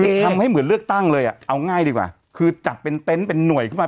ทำให้เหมือนเลือกตั้งเลยอ่ะเอาง่ายดีกว่าคือจัดเป็นเต็นต์เป็นหน่วยขึ้นมา